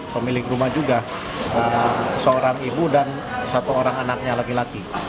pemilik rumah juga seorang ibu dan satu orang anaknya laki laki